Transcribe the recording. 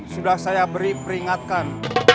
sudah saya beri peringatkan